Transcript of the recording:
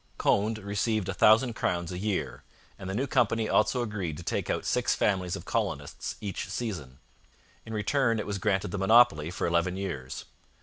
Conde received a thousand crowns a year, and the new company also agreed to take out six families of colonists each season. In return it was granted the monopoly for eleven years.